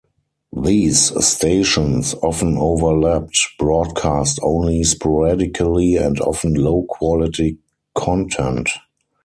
These stations often overlapped, broadcast only sporadically and often low-quality content.